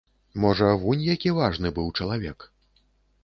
Можа, вунь які важны быў чалавек!